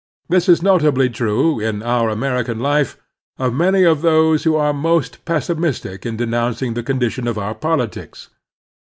This is notably true in our American life of many of those who are most pessimistic in denotmcing the condition of oxu* politics.